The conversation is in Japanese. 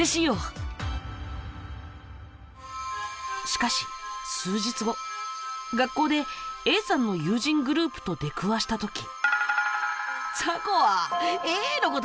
しかし数日後学校でＡさんの友人グループと出くわしたとき。